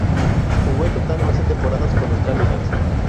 Jugó en total once temporadas con los Cardinals.